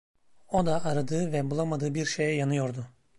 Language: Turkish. O da aradığı ve bulamadığı bir şeye yanıyordu.